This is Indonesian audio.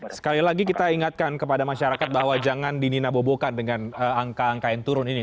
sekali lagi kita ingatkan kepada masyarakat bahwa jangan dininabobokan dengan angka angka yang turun ini